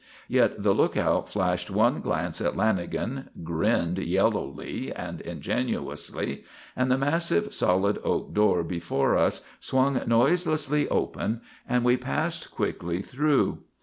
Yet the lookout flashed one glance at Lanagan, grinned yellowly and ingenuously, and the massive solid oak door before us swung noiselessly open and we passed quickly through.